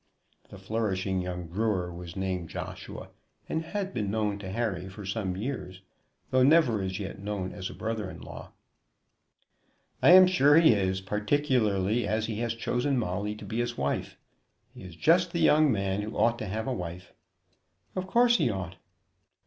The flourishing young brewer was named Joshua, and had been known to Harry for some years, though never as yet known as a brother in law. "I am sure he is; particularly as he has chosen Molly to be his wife. He is just the young man who ought to have a wife." "Of course he ought."